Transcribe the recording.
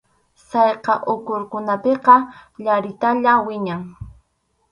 Sallqa urqukunapiqa yaritalla wiñan.